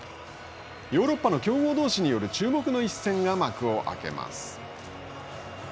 ヨーロッパの強豪同士による注目の一戦が幕を開けます。